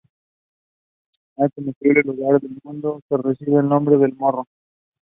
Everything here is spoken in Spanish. Hay incontables lugares en el mundo que reciben el nombre de "El Morro".